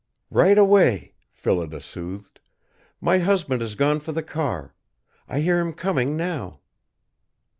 "Right away," Phillida soothed. "My husband has gone for the car. I hear him coming now!"